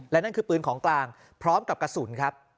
และนั่นคือปืนของกลางพร้อมกับกระสุนครับ